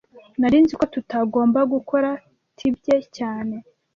Nari nzi ko tutagomba gukora tibye cyane